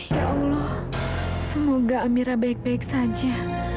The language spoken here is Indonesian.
ya allah semoga amira baik baik saja